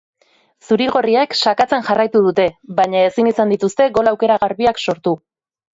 Zuri-gorriek sakatzen jarraitu dute, baina ezin izan dituzte gol aukera garbiak sortu.